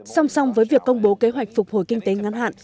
song song với việc công bố kế hoạch phục hồi kinh tế ngắn hạn